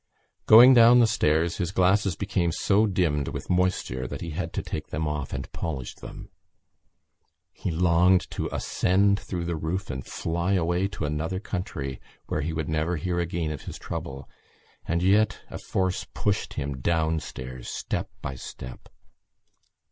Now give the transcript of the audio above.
_ Going down the stairs his glasses became so dimmed with moisture that he had to take them off and polish them. He longed to ascend through the roof and fly away to another country where he would never hear again of his trouble, and yet a force pushed him downstairs step by step.